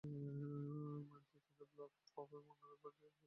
Miles, তাদের rock, pop ও অন্যান্য ধরনের ব্যান্ড দল হিসেবে প্রকাশ করেছে।